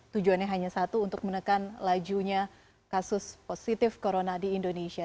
tujuannya hanya satu untuk menekan lajunya kasus positif corona di indonesia